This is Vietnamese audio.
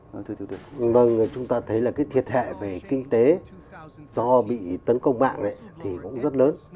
vâng chúng ta thấy là cái thiệt hại về kinh tế do bị tấn công mạng này thì cũng rất lớn